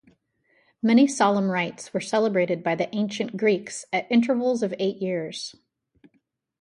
Many solemn rites were celebrated by the ancient Greeks at intervals of eight years.